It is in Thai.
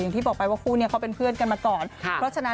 อย่างที่บอกไปว่าคู่นี้เขาเป็นเพื่อนกันมาก่อน